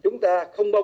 chúng ta không có lợi